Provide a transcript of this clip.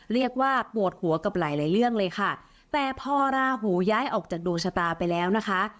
เรียกว่าปวดหัวกับหลายหลายเรื่องเลยค่ะแต่พอราหูย้ายออกจากดวงชะตาไปแล้วนะคะ